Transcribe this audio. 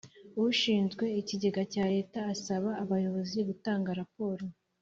ushinzwe Ikigega cya Leta asaba Abayobozi gutanga raporo